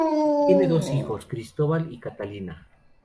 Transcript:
Tiene dos hijos, Cristóbal y Catalina.